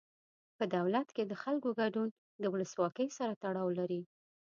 په دولت کې د خلکو ګډون د ولسواکۍ سره تړاو لري.